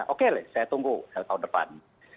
oke saya tunggu tahun depan